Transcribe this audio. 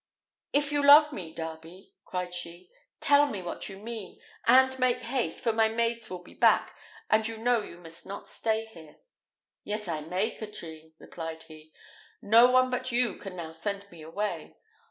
"If you love me, Darby," cried she, "tell me what you mean; and make haste, for my maids will be back, and you know you must not stay here." "Yes, I may, Katrine," replied he; "no one but you can now send me away.